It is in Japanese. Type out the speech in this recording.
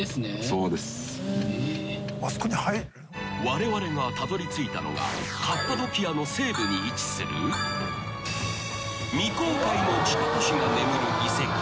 ［われわれがたどり着いたのがカッパドキアの西部に位置する未公開の地下都市が眠る遺跡